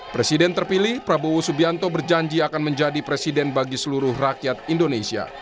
presiden terpilih prabowo subianto berjanji akan menjadi presiden bagi seluruh rakyat indonesia